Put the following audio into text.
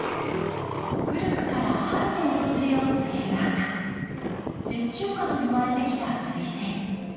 古くから春の訪れを告げる花「雪中花」と呼ばれてきたスイセン。